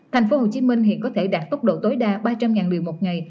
thành phố hồ chí minh hiện có thể đạt tốc độ tối đa ba trăm linh liều một ngày